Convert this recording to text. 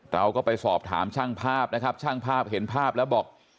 เราก็ไปสอบถามช่างภาพนะครับช่างภาพเห็นภาพแล้วบอก